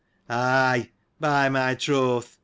— Ay, by my troth